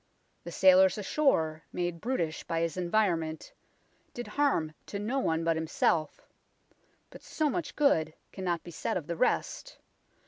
The sailor ashore, made brutish by his environment, did harm to no one but himself, but so much good cannot be said of the rest.